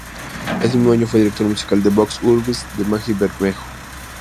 Ese mismo año fue Director Musical de Vox Urbis de Margie Bermejo.